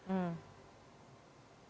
saya sudah berusaha